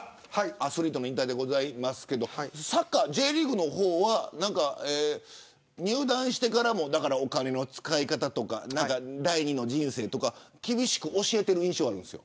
アスリートの引退ですけどＪリーグは入団してからもお金の使い方とか第２の人生とか厳しく教えてる印象あるんです。